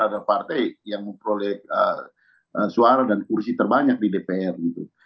ada partai yang memperoleh suara dan kursi terbanyak di dpr gitu